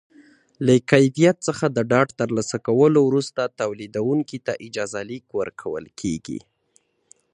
له کیفیت څخه د ډاډ ترلاسه کولو وروسته تولیدوونکي ته اجازه لیک ورکول کېږي.